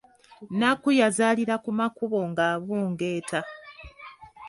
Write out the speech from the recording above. Nnakku yazaalira ku makubo ng'abungeeta.